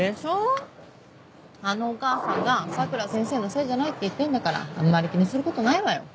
あのお母さんが佐倉先生のせいじゃないって言ってんだからあんまり気にすることないわよ